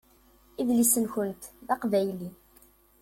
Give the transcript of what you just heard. Idles-nkent d aqbayli.